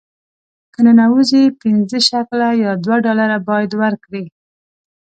که ننوځې پنځه شکله یا دوه ډالره باید ورکړې.